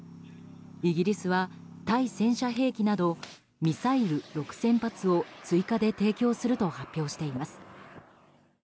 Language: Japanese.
イギリスは対戦車兵器などミサイル６０００発を追加で提供すると発表しています。